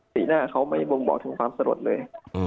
สีหน้าเขาไม่บ่งบอกถึงความสลดเลย